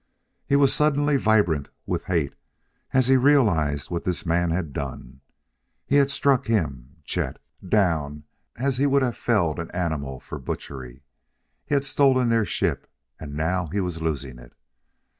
He was suddenly vibrant with hate as he realized what this man had done: he had struck him, Chet, down as he would have felled an animal for butchery; he had stolen their ship; and now he was losing it.